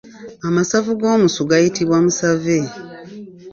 Amasavu g’omusu gayitibwa Musave.